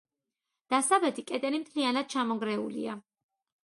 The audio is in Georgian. დასავლეთი კედელი მთლიანად ჩამონგრეულია.